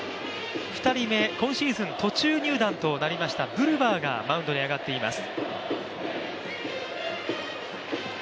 ２人目、今シーズン途中入団となりましたブルワーがマウンドに上がっています。